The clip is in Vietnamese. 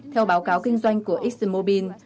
theo báo cáo kinh doanh của exxonmobil